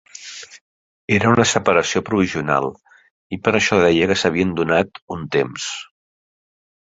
Era una separació provisional, i per això deia que s'havien donat un temps.